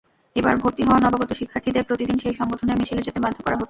এবার ভর্তি হওয়া নবাগত শিক্ষার্থীদের প্রতিদিন সেই সংগঠনের মিছিলে যেতে বাধ্য করা হচ্ছে।